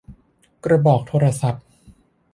กระบอกโทรศัพท์